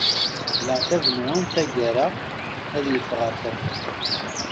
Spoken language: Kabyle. Leɛtab-nwen tagara ad yeffeɣ ɣer tafat.